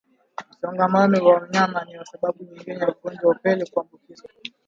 Msongamano wa wanyama ni sababu nyingine ya ugonjwa wa upele kuambukizwa